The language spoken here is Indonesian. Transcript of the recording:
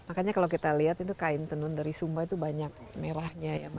makanya kalau kita lihat itu kain tenun dari sumba itu banyak merahnya ya